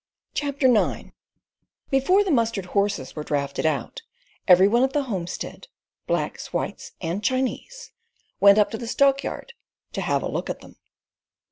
CHAPTER IX Before the mustered horses were drafted out, every one at the homestead, blacks, whites, and Chinese, went up to the stockyard to "have a look at them."